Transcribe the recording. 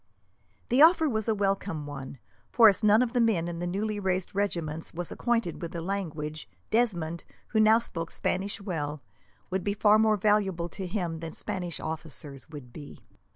The offer was a welcome one, for, as none of the men in the newly raised regiments was acquainted with the language, Desmond, who now spoke Spanish well, would be far more valuable to him than Spanish officers could be.